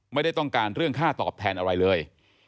ไม่ได้ต้องการเรื่องค่าตอบแทนอะไรเลย